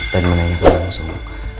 dan menanyakan langsung